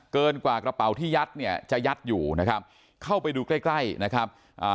เกินกว่ากระเป๋าที่ยัดเนี่ยจะยัดอยู่นะครับเข้าไปดูใกล้ใกล้นะครับอ่า